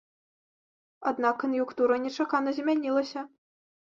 Аднак кан'юнктура нечакана змянілася.